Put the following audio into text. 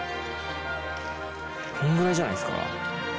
こんぐらいじゃないですか。